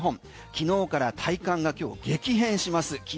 東日本、昨日から体感が今日激変します。